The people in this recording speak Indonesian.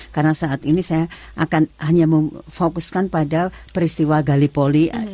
karena saat ini saya akan hanya memfokuskan pada peristiwa galipoli